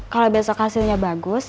kalau besok hasilnya bagus